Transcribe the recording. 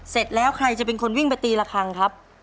เสร็จแล้วใครจะเป็นคนวิ่งไปตีละครั้งครับ